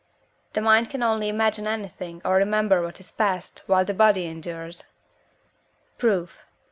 XXI. The mind can only imagine anything, or remember what is past, while the body endures. Proof.